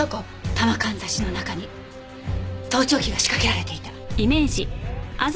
玉簪の中に盗聴器が仕掛けられていた。